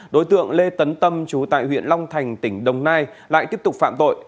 đối tượng lê tấn tâm trú tại huyện long thành tỉnh đồng nai lại tiếp tục phạm tội